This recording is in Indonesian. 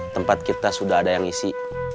tempat kita sudah ada yang ngisi